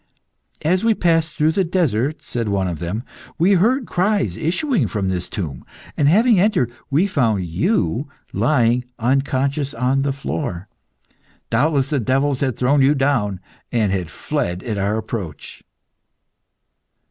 "As we passed through the desert," said one of them, "we heard cries issuing from this tomb, and, having entered, we found you lying unconscious on the floor. Doubtless the devils had thrown you down, and had fled at our approach."